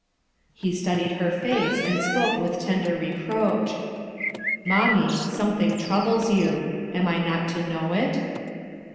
He studied her face and spoke with tender reproach. "Moinmie, something troubles you Am I not to know it?"